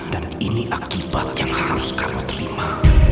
dan ini akibat yang harus kamu terima